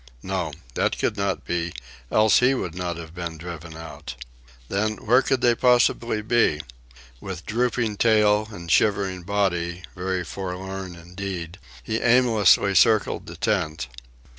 No, that could not be, else he would not have been driven out. Then where could they possibly be? With drooping tail and shivering body, very forlorn indeed, he aimlessly circled the tent.